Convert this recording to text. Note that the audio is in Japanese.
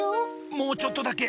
もうちょっとだけ。